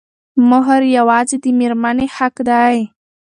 مهر يوازې د مېرمنې حق دی.